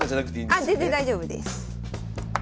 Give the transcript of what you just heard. あ全然大丈夫です。